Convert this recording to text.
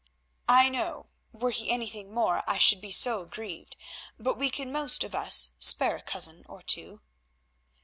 "I know; were he anything more, I should be so grieved, but we can most of us spare a cousin or two."